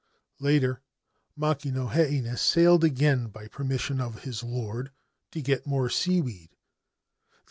Later Makino Heinei sailed again by permission of his Lord to get more seaweed.